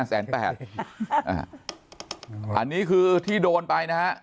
อันนี้คือที่โดนไปนะฮะ